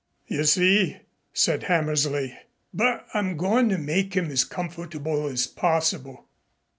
"You see?" said Hammersley. "But I'm going to make him as comfortable as possible."